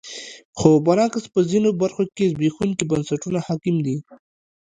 خو برعکس په ځینو برخو کې زبېښونکي بنسټونه حاکم دي.